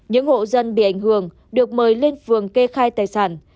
những hộ dân bị ảnh hưởng được mời lên phường kê khai tài sản